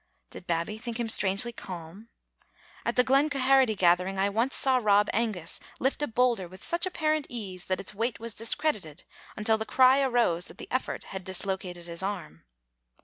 Did Babbie think him strangely calm? At the Glen Quharity gathering I once saw Rob Angus lift a boulder with such apparent ease that its weight was discredited, until the cry arose that the effort had dislocated his arm.